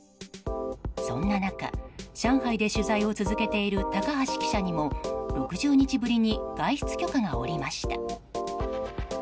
そんな中上海で取材を続けている高橋記者にも、６０日ぶりに外出許可が下りました。